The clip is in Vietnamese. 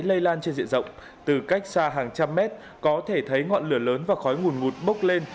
lây lan trên diện rộng từ cách xa hàng trăm mét có thể thấy ngọn lửa lớn và khói nguồn ngụt bốc lên